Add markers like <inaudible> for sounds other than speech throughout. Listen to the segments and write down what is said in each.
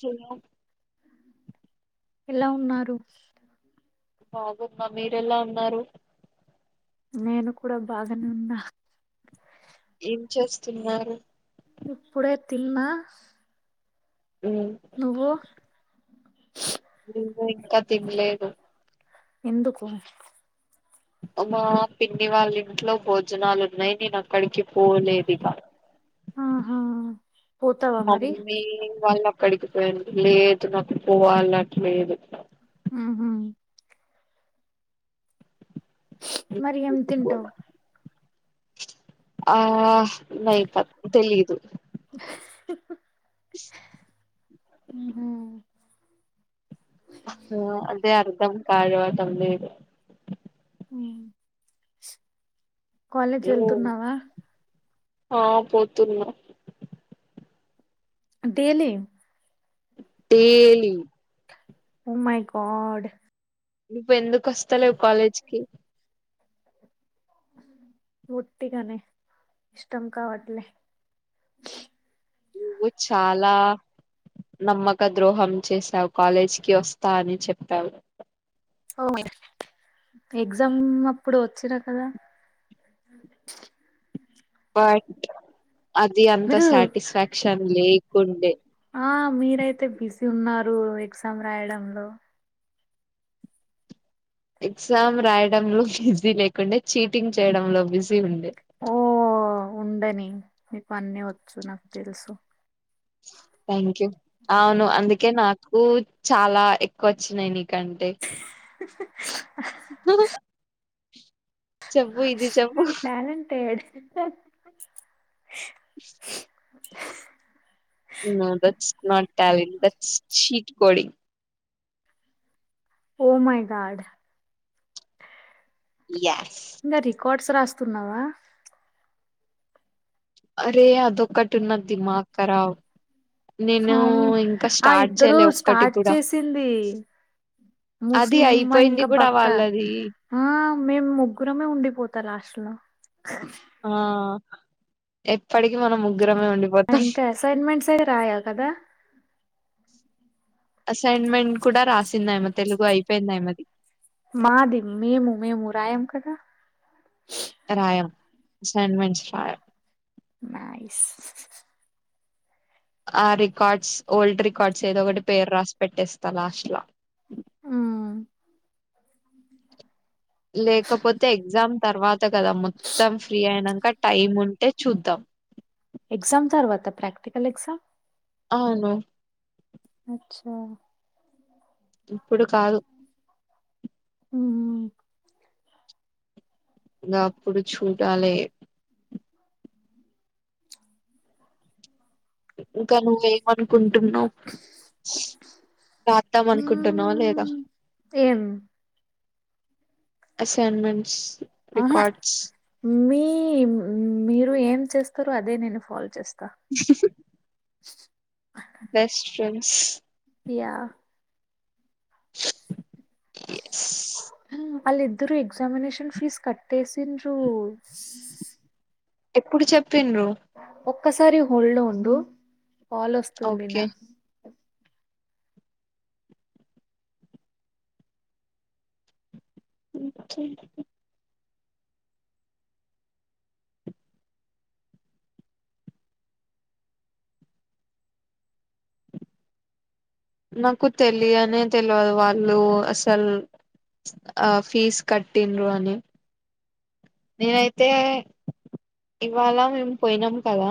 చలో ఎలా ఉన్నారు బాగున్న మీరేలా ఉన్నారు నేను కూడ బాగానే ఉన్నా ఏం చేస్తున్నారు ఇప్పుడే తిన్నా నువ్వు నే ఇంకా తిన్లేదు ఎందుకు మా పిన్ని వాళ్ళ ఇంట్లో భోజనాలు ఉన్నాయ్ నేను అక్కడికి పోలేదిగా ఆహా పోతావా మరి మమ్మీ వాళ్ళ క్కడిగిపోఇంద్ లేదు నాకు పోవాలన్ లేదు ఆ మరి ఎం తింటావు ఆ తెలిదు హ అదే అర్ధం కావా <unintelligible> కాలేజ్ వెళ్తున్నావా ఆ పోతున్నా ఢేలీ డైలీ ఓ మై గడ్ నువు ఎందుకు వస్తలే్ కాలేజ్కిి బట్గానే ఇష్టంకా వాట్లే చాలా నమ్మక ద్రోహం చేసావు కాలేజీకిి వస్తా అని చెప్పావు అ ఎగ్జామ్ అప్పుడు వచ్చిన కదా బట్ అది అంత మీరు సాటిస్ఫాక్షన్ లేకుండే ఆ మీరైతే బిజీ ఉన్నారు ఎగ్జామ్ రాయడంలో ఎగ్జామ్ రాయడంలో బిజీ లేకుండే చీటింగ్ చేయడంలో బిజీ ఉండే ఓ ఉండని మీఅన్నీ వచ్చు నాకు తెలుసు థ్యాంక్ యూ అవును అందుకే నాకు చాలా ఎక్కువ వచ్చినాయి నీకు కంటే చెప్పు ఇది చెప్పు I'm talented నదట్స్ not talent that's sheet coding oh my god yes codes రాస్తున్నావా అరే అదొక్కటి ఉన్నది ధీమక్ కరణ్ అవువు ఆ ఇద్దరు చేయలే ఒక్కటి స్టార్ట్ కూడా చేసింది అది ముస్లింమా అయిపోయింది ఇంకా కూడా పక్క వాళ్ళది ఆ మేము ముగ్గురమే ఉండిపోతా లాస్ట్ లో ఆ ఎప్పటికి మనం ముగ్గురమే ఉండిపోతాం ఇంకా అసైన్మెంట్స్ అవి రాయావు కదా అసైన్మెంట్ కూడా రాసిందయమ తెలుగు అయిపోయిందయమది మా ద మేము రామ్ కదా రాయాం అసైన్మెంట్ రాయం నైస్ ఆ రికార్డ్స్ ఓల్డ్ రికార్డ్స్ ఏదో ఒకటి పేరు రాసి పెట్టేస్తా లాస్ట్ లో మ్మ్ లేకపోతే ఎగ్జామ్ తర్వాత కదా మొత్తం ఫ్రీ అయినాక టైమ్ ఉ ఉంటే చూద్దాం ఎగజామ్ తర్వాత ప్రాక్టికల్ ఎగజామ్ అవును అచ్చా ఇప్పుడు కాదు ఉమ్ ఇంగా అప్పుడు చూడాలే ఇంకా నువ్వేమనుకుం టున్నవ రాద్దాం అనుకుంటున్నావ లేదా మ్ అసైన్మెంట్స్ అహా రికార్డ్స్ మీ మీరు ఏం చేస్తుర్రో అదే నేను ఫాలో చేస్ స్తా బెస్ట్ ఫ్రెండ్స్ యా ఎస్ ఆళ్లు ఇద్దరు ఎగ్జామినేషన్ ఫీజు కట్టేసిండ్రు ఎప్పుడు చెప్పిండ్రు ఒక్కసారి హోల్డ్ లో ఉండు కాల్ వస్తుంది ఓకే నా ఓకే నాకు తెలియనే తెలువదు వాళ్లు అసల్ ఆ ఫీస్ కట్టిన్రు అని నేనైతే ఇవాళ మేము పోయినాం కదా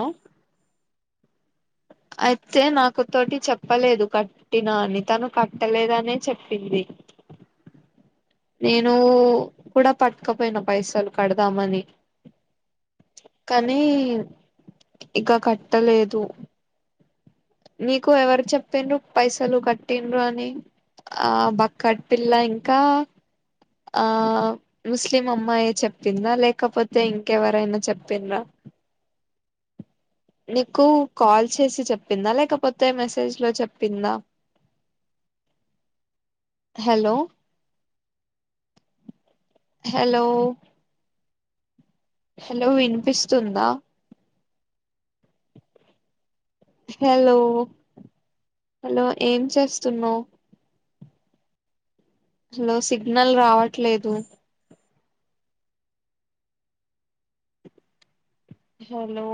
అయితే నాకు తోటి చెప్పలేదు కట్టినా అని తను కట్టలేదనే చెప్పింది నేను కూడా పట్ట్కపోయిన పైసలు కడదామని కానీ ఇక కట్టలేదు నీకు ఎవరు చెప్పిండ్రు పైసలు కట్టిన్రు అని ఆ బక్కటి పిల్ల ఇంకా ఆ ముస్లిం అమ్మాయ చెప్పిందా లేకపోతే ఇంకెవరైనా చెప్పిండ్రా నీకు కాల్ చేసి చెప్పిందా లేకపోతే మెసేజ్ లో చెప్పిందా హలో హలో హలో వినిపిస్తుందా హలో హలో ఏం చేస్తున్నావ్ హలో సిగ్నల్ రావట్లేదు హలో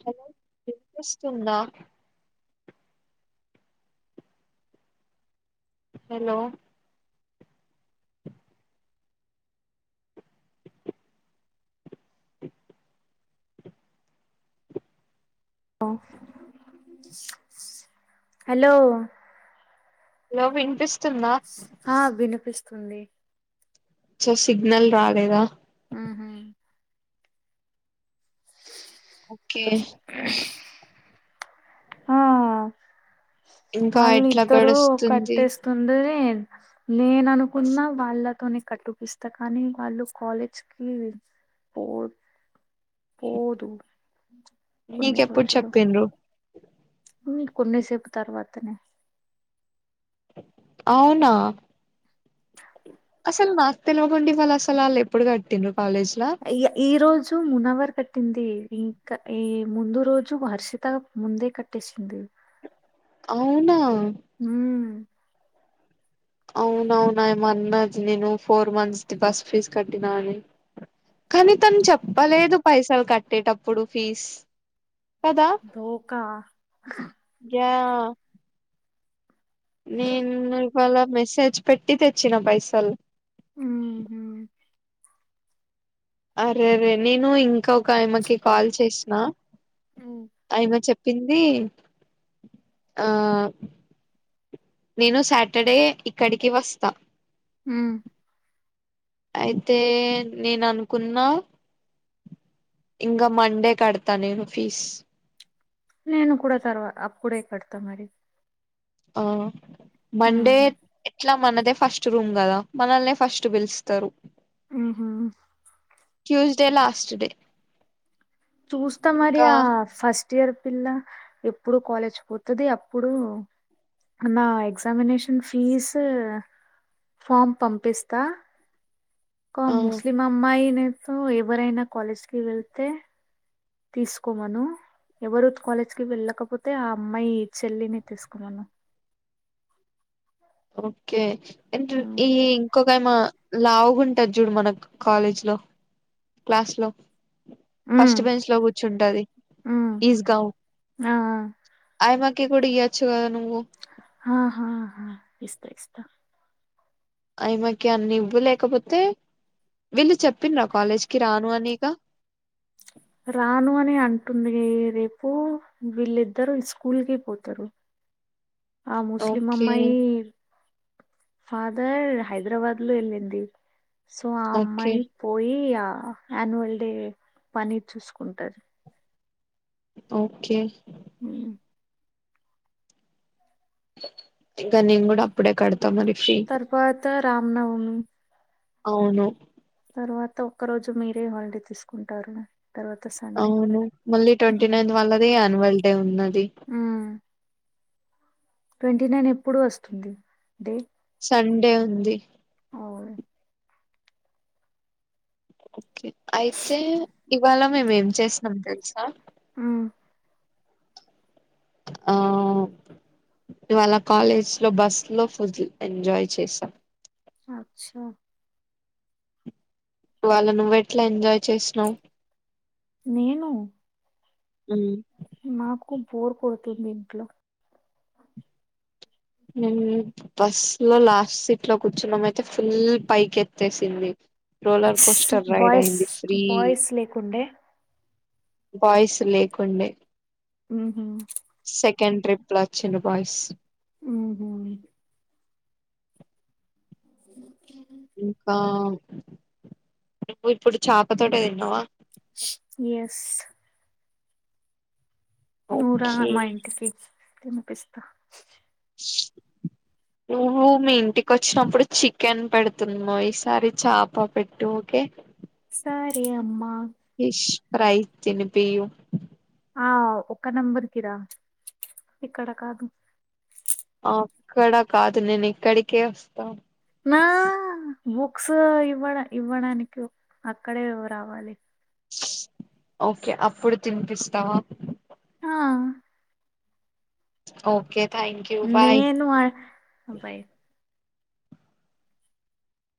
హలో వినిపిస్తుందా హలో హలో హలో హలో వినిపిస్ ఆ వినిపిస్తుంది సో సిగ్నల్ రాలేదా ఉహు ఓకే ఆ ఇంకా ఆల్ ఎట్లా ఇద్దరు గడుస్తుంది కట్టేస్తుందని నెన్ అనుకున్నా వాళ్లతోనే కట్టుపిస్తా కానీ వాళ్లు కాలేజ్ కి పో పోదు కొన్ని నీకెప్పుడు చెప్పిండ్రు మ్ కొన్నిసేపు తర్వాతనే అవునా అసలు నాకు తెలవకుండి వాళ్లు అసలు వాళ్లు ఎప్పుడు కట్టిండ్రు కాలేజ్లా ఇగ ఈ రోజు మునవర్ కట్ట కట్టింది ఇంకా ఈ ముందు రోజు హర్షిత ముందే కట్టేసింది అవునా హ్మ అవునవునా ఏమ అన్నది నేను ఫోర్ మంత్స్ కి బస్ ఫీజు కట్టినా అని కానీ తను చెప్పలేదు పైసలు కట్టేటప్పుడు ఫీస్ కదా ధోకా యా నేను ఇవాళ మెసేజ్ పెట్టి తెచ్చిన పైసలు హ్మ్మ్ అరేరే నేను ఇంకా ఒక ఆయమ్మకి కాల్ చేసిన ఉమ్ ఆయమ చెప్ పింది ఆ నేను సాటర్డే ఇక్కడికి వస్తా హ్మ్మ్ అయితే నేను అనుకున్నా ఇంకా మండే కడతా నేను ఫీస్ నేను కూడా తర్వా అప్పుడే కడతా మరి అవు ఉమ్ మండే ఇట్లా మనదే ఫస్ట్ రూమ్ గదా మనల్నే ఫస్ట్ పిలుస్తారు ఉహు ట్యూస్డే లాస్ట్ డే చూస్తా మరి ఇంకా ఆ ఫస్ట్ ఫట్ ఇయర్ పిల్ల ఎప్పుడు కాలేజ్ పోతది అప్పుడు అనా ఎక్జామినేషన్ ఫీస్ ఫామ్ పంపిస్తా ఒక ఆ ముస్లిం అమ్మాయి నేతో ఎవరైనా కాలేజ్కి వెళ్తే తీసుకోమను ఎవరు కాలేజ్కి వెళ్ళకపోతే ఆ అమ్మాయి చెల్లిని తీసుకున్నాను ఓకే అంట్ర ఉమ్ ఈ ఇంకొక లైమా లావుగాంటది చూడు మనకు కాలేజ్ లో క్లాస్ లో ఉమ్ ఫస్ట్ బెంచ్ లో కూర్చుంటది ఉమ్, ఈజ్ గౌ ఆ ఆయమా కుడిఇయోచ్చు గదను ఆహా హా ఇస్తా ఇస్తా అయమాకి అన్ని ఇవ్వు లేకపోతే వీళ్ళు చెప్పిన రా కాలేజ్కి రాను అని గా రాను అని అంటుంది రేపు వీళ్ళిద్దరు స్కూల్కి పోతారు ఆ ముస్లిం ఓకే అమ్మాయి ఫాదర్ హైదరాబాద్ లో వెళ్ళింది సో ఆ ఓకే అమ్మాయి పోయి ఆ యాన్యువల్ డే పని చూసుకుంటాది ఓకే హ్మ్మ్ ఇంకా నేను కూడా అప్పుడే కడుతు తర్వాత రామ్ నవమి అవును తర్వాత ఒక్కరోజు మీరే హాలిడే తీసుకుంటారు తర్వాత సండే అవును మళ్ళీ ట్వంటీ ఉమ్ నైన్త్ వాళ్ళది యాన్యువల్ డే ఉన్నది హ్మ్ ట్వంటీ నైన్ ఎప్పుడు వస్తుంది డే సండే ఉంది ఓకే అయితే ఇవాళ మేము ఏం చేసినం తెలుసా హ్మ్మ్ ఆవ్ ఇవాళ కాలేజ్ లో బస్ లో ఫుల్ ఎంజాయ్ చేసాం అచ్చా వాళ్ళ నువ్వు ఎట్లా ఎంజాయ్ చేసినవు నేను హ్మ్మ్ నాకు బోర్ కొడుతుంది ఇంట్లో బస్ లో లాస్ట్ సీట్ లో కూర్చున్నామ అయితే ఫుల్ పైకి ఎత్తేసింది రోలర్ కోస్టర్ రైడ్ బాయ్స్ అయింది ఫ్రీ బాయ్స్ లేకుండే బాయిస్ లేకుండే హ్మ్ ట్రిప్ల్ వచ్చిడి బాయస్ మ్మ్ హ్మ్ <inaudible> ఇంకా నువ్వు ఇప్పుడు చేపతోట తిన్నావా ఎస్ నూరా ఓకే మా ఇంటి తినిపిస్తా నువ్ మీ ఇంటికి వచ్చినప్పుడు చికెన్ పెడుతుందమో ఈసారి చప పెట్టు ఓకే సరే అమ్మా ఫిష్ ఫై తినిపియు ఆ ఒక్క నెంబర్ కిరా ఇక్కడ కాదు ఇక్కడ కాదు నేను ఇక్కడికే వస్తా నా బుక్స్ ఇవ్వడం ఇవ్వడానికి అక్కడే రావాలి ఓకే అప్పుడు తినిపిస్తావా ఆ ఓకే థ్యాంక్ యూ బాయ్ నేను అబ్బాయి